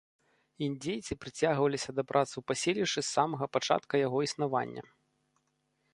Індзейцы прыцягваліся да працы ў паселішчы з самага пачатка яго існавання.